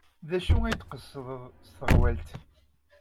D acu ay d-tqesdeḍ s teɣwalt?